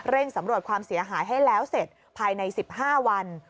สำรวจความเสียหายให้แล้วเสร็จภายใน๑๕วัน